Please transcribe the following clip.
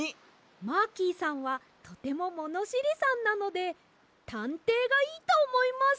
マーキーさんはとてもものしりさんなのでたんていがいいとおもいます